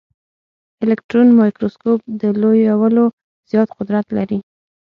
الکټرون مایکروسکوپ د لویولو زیات قدرت لري.